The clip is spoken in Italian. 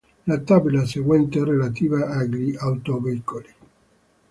La tabella seguente è relativa agli autoveicoli.